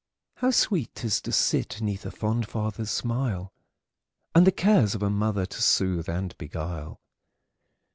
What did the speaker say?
How sweet 't is to sit 'neath a fond father's smile, And the cares of a mother to soothe and beguile!